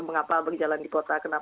mengapa berjalan di kota